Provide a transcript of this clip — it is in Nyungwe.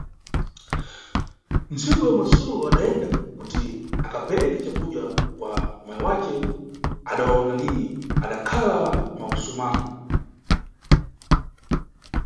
Tsiku yomwe sulo adayenda kuti akapereke cakudya kwa mayi yace adawawona lini, adakhala mwakusumana.